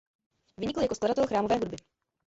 Vynikl jako skladatel chrámové hudby.